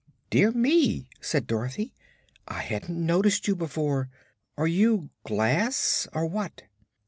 "Dear me," said Dorothy; "I hadn't noticed you before. Are you glass, or what?"